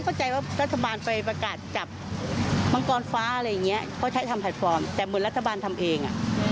เขาก็ใช้ทำแพลปฟอร์มแต่เหมือนรัฐบาลทำเอง